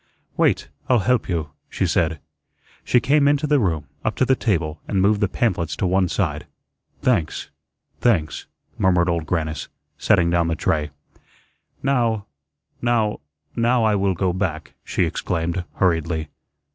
"Wait, I'll help you," she said. She came into the room, up to the table, and moved the pamphlets to one side. "Thanks, thanks," murmured Old Grannis, setting down the tray. "Now now now I will go back," she exclaimed, hurriedly.